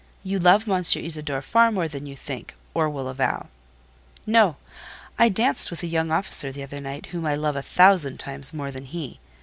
You love M. Isidore far more than you think, or will avow." "No. I danced with a young officer the other night, whom I love a thousand times more than he.